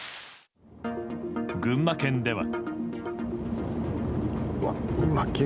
群馬県では。